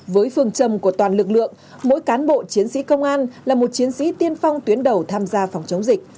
với phương châm của toàn lực lượng mỗi cán bộ chiến sĩ công an là một chiến sĩ tiên phong tuyến đầu tham gia phòng chống dịch